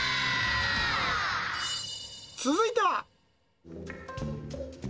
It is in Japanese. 続いては。